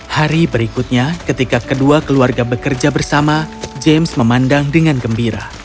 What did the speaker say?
hari berikutnya ketika kedua keluarga bekerja bersama james memandang dengan gembira